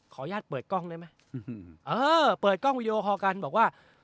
อนุญาตเปิดกล้องได้ไหมเออเปิดกล้องวิดีโอคอลกันบอกว่า